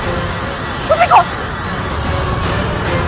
jangan sampai kau menyesal sudah menentangku